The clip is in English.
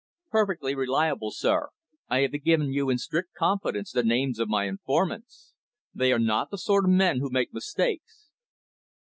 "Perfectly reliable, sir. I have given you in strict confidence the names of my informants. They are not the sort of men who make mistakes."